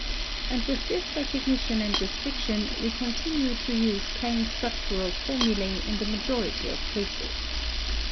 And with this recognition and restriction we continue to use plane struc tural formulae in the majority of cases."